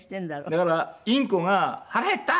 だからインコが「腹へった！